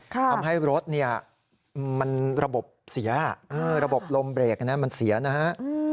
ทำให้รถเนี่ยมันระบบเสียระบบลมเบรกมันเสียนะฮะ